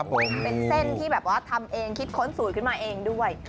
เป็นเส้นที่แบบว่าทำเองคิดค้นสูตรขึ้นมาเองด้วย